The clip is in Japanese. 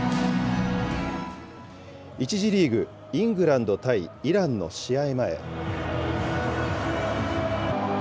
１次リーグ、イングランド対イランの試合前。